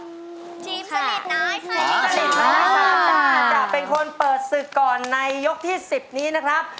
สาปุ่นตาจะเป็นคนเปิดศึกก่อนในยกที่๑๐นี้นะครับ